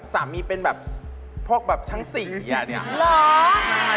สามีเป็นพวกแบบชั้น๔อย่างเนี่ย